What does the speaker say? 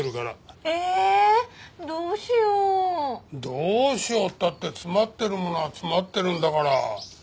どうしようったって詰まってるものは詰まってるんだから。